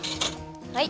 はい。